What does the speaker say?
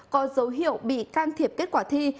có dấu hiệu bị can thiệp kết quả thi